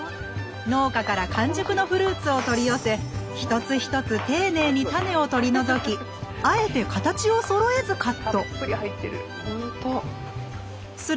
農家から完熟のフルーツを取り寄せ一つ一つ丁寧に種を取り除きあえて形をそろえずカットたっぷり入ってる。